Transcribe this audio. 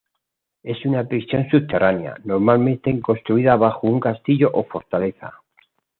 Es una prisión subterránea, normalmente construida bajo un castillo o fortaleza.